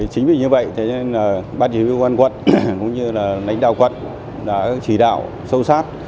chính vì như vậy thế nên là bác trí huy quân quận cũng như là đánh đạo quận đã chỉ đạo sâu sát